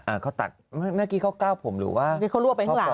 อ่ะเขาตัดเมื่อกี้เขาก้าวผมหรือว่า